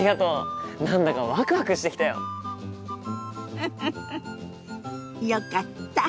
フフフよかった。